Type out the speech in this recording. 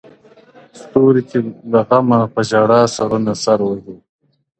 ستوري چي له غمه په ژړا سـرونـه ســـر وهــي.